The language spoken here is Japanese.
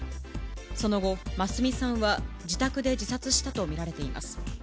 その後、眞澄さんは自宅で自殺したと見られています。